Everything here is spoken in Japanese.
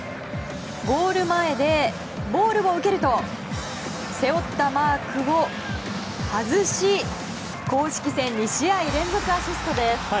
ゴール前で、ボールを受けると背負ったマークを外し公式戦２試合連続アシストです。